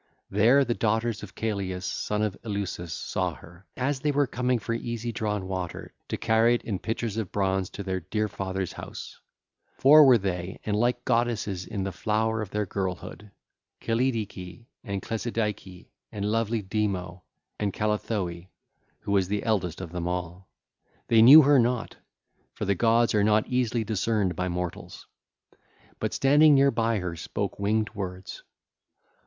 There the daughters of Celeus, son of Eleusis, saw her, as they were coming for easy drawn water, to carry it in pitchers of bronze to their dear father's house: four were they and like goddesses in the flower of their girlhood, Callidice and Cleisidice and lovely Demo and Callithoe who was the eldest of them all. They knew her not,—for the gods are not easily discerned by mortals—but standing near by her spoke winged words: (ll.